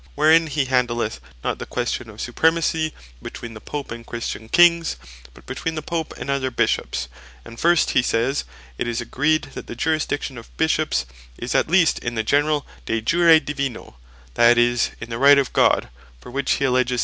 Wherein he handleth not the Question of Supremacy between the Pope and Christian Kings, but between the Pope and other Bishops. And first, he sayes it is agreed, that the Jurisdiction of Bishops, is at least in the generall De Jure Divino, that is, in the Right of God; for which he alledges S.